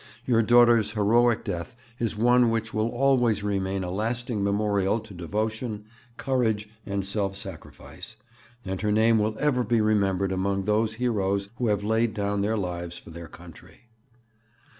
Your daughter's heroic death is one which will always remain a lasting memorial to devotion, courage, and self sacrifice, and her name will ever be remembered among those heroes who have laid down their lives for their country.'